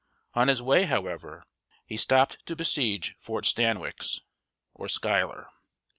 On his way, however, he stopped to besiege Fort Stan´wix, or Schuyler.